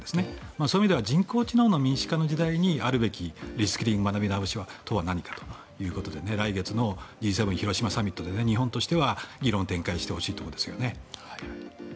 そういう意味では人工知能の民主化の時代にあるべきリスキリング、学び直しとは何かということで来月のＧ７広島サミットで日本としては議論を展開してほしいところですね。